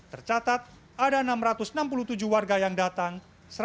tercatat ada enam ratus enam puluh tujuh warga yang datang